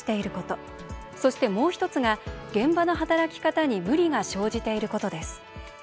そしてもう１つが現場の働き方に無理が生じていることです。